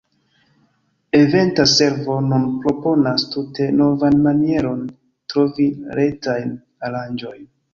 Eventa Servo nun proponas tute novan manieron trovi retajn aranĝojn.